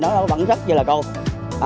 nó vẫn rất là đẹp